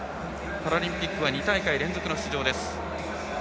パラリンピックは２大会連続の出場です。